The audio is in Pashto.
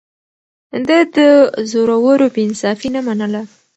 ده د زورورو بې انصافي نه منله.